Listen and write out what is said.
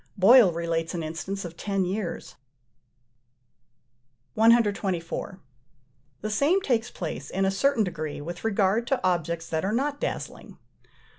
Boyle relates an instance of ten years. 124. The same takes place, in a certain degree, with regard to objects that are not dazzling.